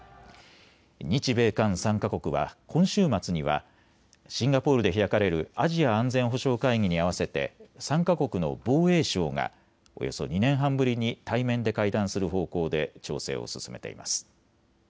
日米韓３か国は今週末にはシンガポールで開かれるアジア安全保障会議に合わせて３か国の防衛相がおよそ２年半ぶりに対面で会談する方向で調整を進めています。